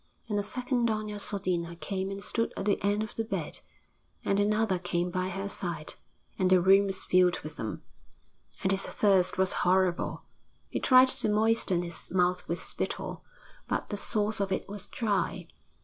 And a second Doña Sodina came and stood at the end of the bed, and another came by her side, and the room was filled with them. And his thirst was horrible; he tried to moisten his mouth with spittle, but the source of it was dry.